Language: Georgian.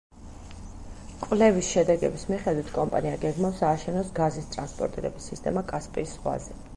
კვლევის შედეგების მიხედვით, კომპანია გეგმავს ააშენოს გაზის ტრანსპორტირების სისტემა კასპიის ზღვაზე.